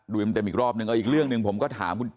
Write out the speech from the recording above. ดูอีกรอบนึงอีกเรื่องนึงผมก็ถาม